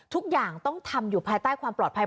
ทุกอย่างต้องทำอยู่ภายใต้ความปลอดภัย